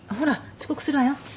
遅刻するわよ。